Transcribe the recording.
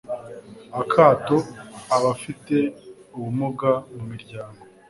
akato abafite ubumuga mu miryango